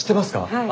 はい。